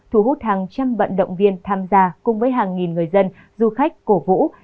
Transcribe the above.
thu hút hàng trăm vận động viên tham gia cùng với hàng nghìn người dân du khách cổ vũ